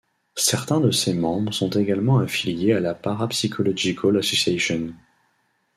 Certains de ses membres sont également affiliés à la Parapsychological Association.